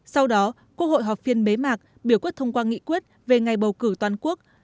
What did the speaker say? sau đó quốc hội họp phiên bế mạc biểu quyết thông qua nghị quyết về ngày bầu cử toàn quốc